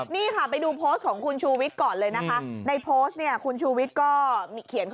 นี่ค่ะไปดูพอสต์ของคุณชุวิทส์ก่อนในพอสต์นี่